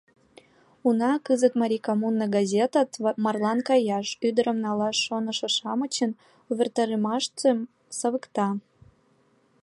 Уна, кызыт «Марий коммуна» газетат марлан каяш, ӱдырым налаш шонышо-шамычын увертарымашыштым савыкта.